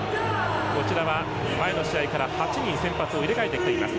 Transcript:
こちらは前の試合から８人先発を入れ替えてきています。